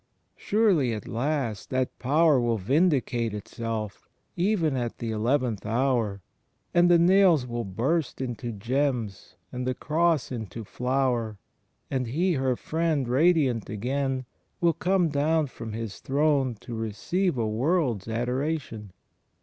Surely at last that Power will vindicate itself, even at the eleventh hour; and the nails will burst into gems and the cross into flower, and He, her Friend, radiant again, will come down from His throne to receive a world's adoration!